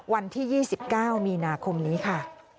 วันที่๒๙มีนาคมนี้ค่ะ